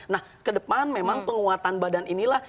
nah kedepan memang penguatan badan inilah